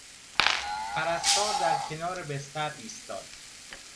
پرستار در کنار بستر ایستاد.